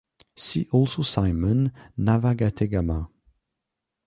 "See also Simon Navagattegama"